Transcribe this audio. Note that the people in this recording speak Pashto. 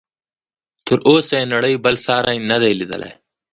تر اوسه یې نړۍ بل ساری نه دی لیدلی.